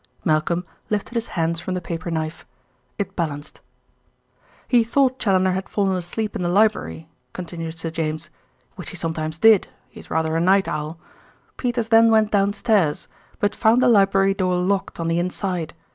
Malcolm lifted his hands from the paper knife. It balanced. "He thought Challoner had fallen asleep in the library," continued Sir James, "which he sometimes did, he is rather a night owl. Peters then went downstairs, but found the library door locked on the inside.